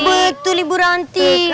betul ibu ranti